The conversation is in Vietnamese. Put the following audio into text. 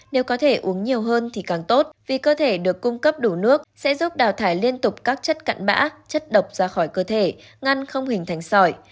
nếu có thể uống nhiều hơn thì càng tốt vì cơ thể được cung cấp đủ nước sẽ giúp đào thải liên tục các chất cặn bã chất độc ra khỏi cơ thể ngăn không hình thành sỏi